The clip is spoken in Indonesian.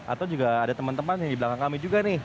atau juga ada teman teman yang di belakang kami juga nih